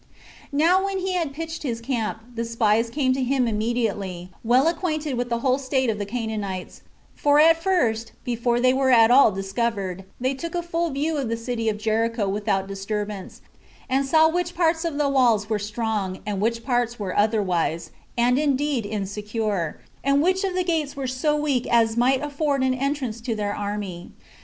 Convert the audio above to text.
2. Now when he had pitched his camp, the spies came to him immediately, well acquainted with the whole state of the Canaanites; for at first, before they were at all discovered, they took a full view of the city of Jericho without disturbance, and saw which parts of the walls were strong, and which parts were otherwise, and indeed insecure, and which of the gates were so weak as might afford an entrance to their army.